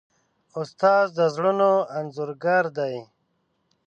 استاد د زړونو انځورګر دی.